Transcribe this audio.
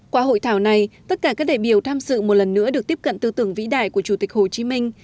qua hội thảo này tất cả các đại biểu tham dự một lần nữa được tiếp cận tư tưởng vĩ đại của chủ tịch hồ chí minh